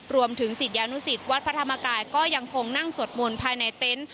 รวมถึงสิทธิ์ญาณุศิษย์วัดพระธรรมกายยังต้องนั่งส่วนศูนย์ภายในเต็นต์